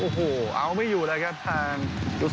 โอ้โหเอามันไม่อยู่เลยครับกลุ่มบันรอส